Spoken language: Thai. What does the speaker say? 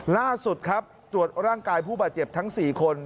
ล่าสุดครับตรวจร่างกายผู้บาดเจ็บทั้ง๔คน